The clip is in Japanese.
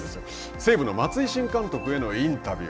西武の松井新監督へのインタビュー。